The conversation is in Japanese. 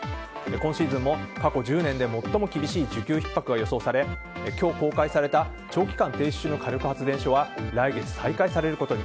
今シーズンも過去１０年で最も厳しい需給ひっ迫が予想され今日公開された長期間停止中の火力発電所は来月、再開されることに。